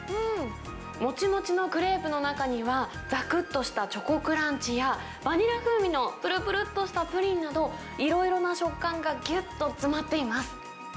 もちもちのクレープの中には、ざくっとしたチョコクランチや、バニラ風味のぷるぷるっとしたプリンなど、いろいろな食感がぎゅっと詰まっています。